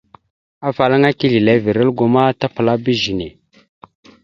Afalaŋana tislevere algo ma tapəlaba izəne.